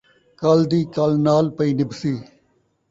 کل دی کل نال پئی نبھسی